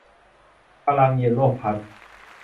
พลัง "เยลโลพลัส"